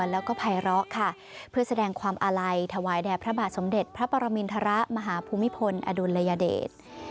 แล้วก็ภัยร้อค่ะเพื่อแสดงความอาลัยถวายแด่พระบาทสมเด็จพระปรมินทรมาหาภูมิพลอดุลยเดช